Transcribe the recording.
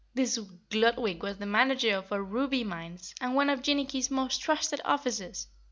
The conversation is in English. This Gludwig was the manager of our ruby mines and one of Jinnicky's most trusted officers.